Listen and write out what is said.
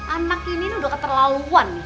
anak ini udah keterlaluan